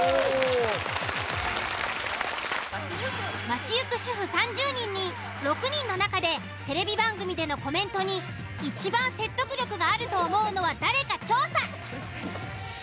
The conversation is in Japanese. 街行く主婦３０人に６人の中でテレビ番組でのコメントにいちばん説得力があると思うのは誰か調査。